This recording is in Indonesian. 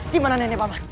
dimana nenek pak man